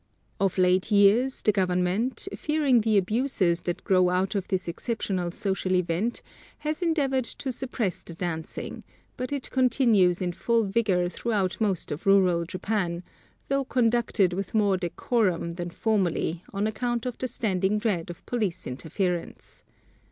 Of late years, the government, fearing the abuses that grow out of this exceptional social event, has endeavored to suppress the dancing, but it continues in full vigor throughout most of rural Japan, though conducted with more decorum than formerly on account of the standing dread of police interference.